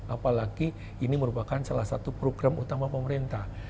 apalagi ini merupakan salah satu program utama pemerintah